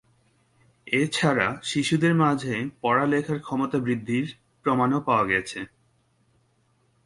এছাড়া শিশুদের মাঝে পড়ালেখার ক্ষমতা বৃদ্ধির প্রমাণও পাওয়া গেছে।